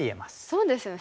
そうですよね